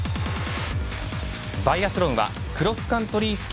バイアスロンはクロスカントリー